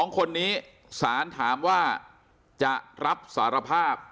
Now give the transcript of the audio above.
๒คนนี้สารถามว่าจะรับสารภาพ